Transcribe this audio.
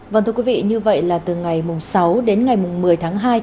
vâng thưa quý vị như vậy là từ ngày sáu đến ngày một mươi tháng hai